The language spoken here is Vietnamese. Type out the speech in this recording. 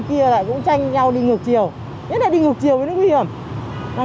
cái khoảng cách mà